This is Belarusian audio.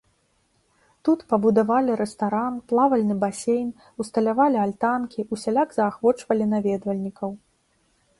Тут пабудавалі рэстаран, плавальны басейн, усталявалі альтанкі, усяляк заахвочвалі наведвальнікаў.